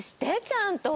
ちゃんと。